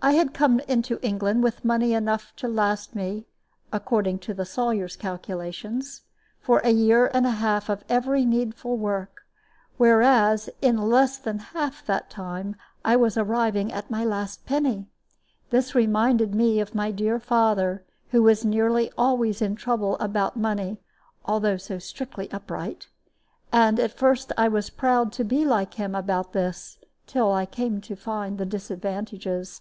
I had come into England with money enough to last me (according to the Sawyer's calculations) for a year and a half of every needful work; whereas, in less than half that time, I was arriving at my last penny. This reminded me of my dear father, who was nearly always in trouble about money (although so strictly upright); and at first I was proud to be like him about this, till I came to find the disadvantages.